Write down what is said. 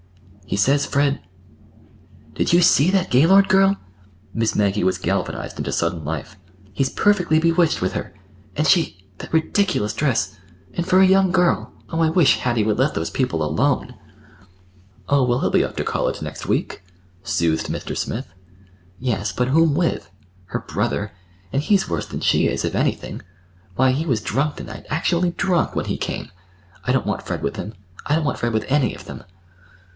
"He says Fred—" "Did you see that Gaylord girl?" Miss Maggie was galvanized into sudden life. "He's perfectly bewitched with her. And she—that ridiculous dress—and for a young girl! Oh, I wish Hattie would let those people alone!" "Oh, well, he'll be off to college next week," soothed Mr. Smith. "Yes, but whom with? Her brother!—and he's worse than she is, if anything. Why, he was drunk to night, actually drunk, when he came! I don't want Fred with him. I don't want Fred with any of them."